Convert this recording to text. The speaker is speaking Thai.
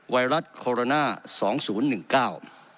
ไวรัสโคโรนาสองศูนย์หนึ่งเก้า